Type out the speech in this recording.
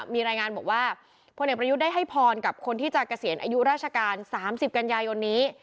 พระเนตรประยุจรรย์ได้ให้พรกับคนทีจะเกษียณอายุราชการ๓๐กันยายนนี้